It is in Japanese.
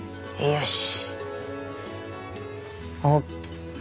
よし。